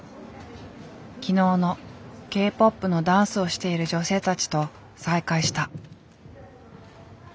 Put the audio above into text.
昨日のＫ−ＰＯＰのダンスをしている女性たちと再会した。